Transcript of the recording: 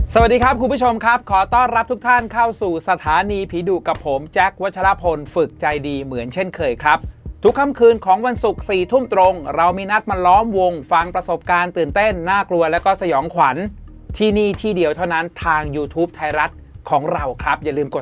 สวัสดีครับคุณผู้ชมครับขอต้อนรับทุกท่านเข้าสู่สถานีผีดุกับผมแจ๊ควัชลพลฝึกใจดีเหมือนเช่นเคยครับทุกค่ำคืนของวันศุกร์๔ทุ่มตรงเรามีนัดมาล้อมวงฟังประสบการณ์ตื่นเต้นน่ากลัวแล้วก็สยองขวัญที่นี่ที่เดียวเท่านั้นทางยูทูปไทยรัฐของเราครับอย่าลืมกด